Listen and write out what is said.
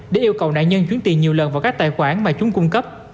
để yêu cầu nạn nhân chuyển tiền nhiều lần vào các tài khoản mà chúng cung cấp